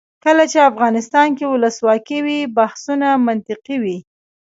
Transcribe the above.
کله چې افغانستان کې ولسواکي وي بحثونه منطقي وي.